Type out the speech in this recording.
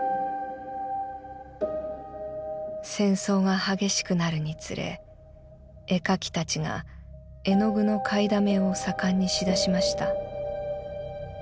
「戦争が烈しくなるにつれ絵描き達が絵の具の買いだめを盛んにし出しました。